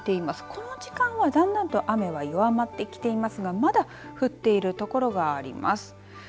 この時間はだんだんと雨が弱まってきてますがまだ降っているところがあります。